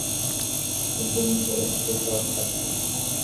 কিন্তু মৃত্যু হল সবচেয়ে সহজ শাস্তি।